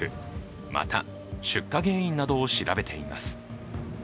また、出火原因などを調べています